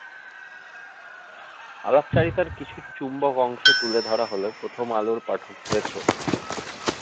আলাপচারিতাটির কিছু চুম্বক অংশ তুলে ধরা হলো প্রথম আলোর পাঠকদের জন্য।